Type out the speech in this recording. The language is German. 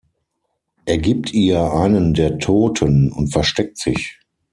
Er gibt ihr einen der Toten und versteckt sich.